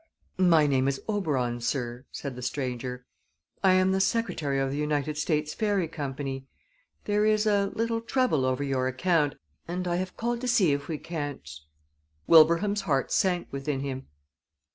"My name is Oberon, sir," said the stranger, "I am the secretary of the United States Fairy Company. There is a little trouble over your account, and I have called to see if we can't " Wilbraham's heart sank within him.